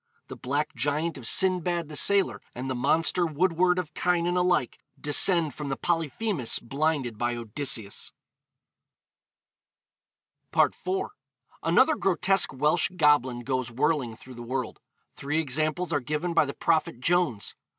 The black giant of Sindbad the Sailor and the monster woodward of Cynan alike descend from the Polyphemus blinded by Odysseus. FOOTNOTES: 'Mabinogion,' 106. Ibid., 6. IV. Another grotesque Welsh goblin goes whirling through the world. Three examples are given by the Prophet Jones.